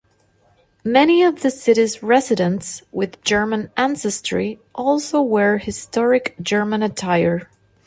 Many of the city's residents with German ancestry also wear historic German attire.